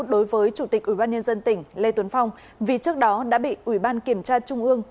đối với chủ tịch ủy ban nhân dân tỉnh lê tuấn phong vì trước đó đã bị ủy ban kiểm tra trung ương